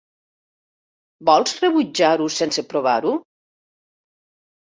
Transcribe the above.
Vols rebutjar-ho sense provar-ho?